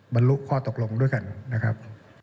บรรลุข้อตกลงด้วยกันนะครับ